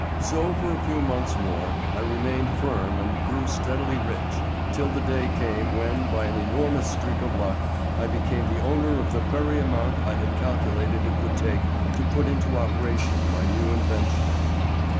So for a few months more, I remained firm and grew steadily rich, till the day came when by an enormous streak of luck I became the owner of the very amount I had calculated it would take to put into operation my new invention.